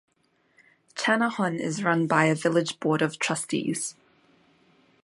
Channahon is run by a Village Board of Trustees.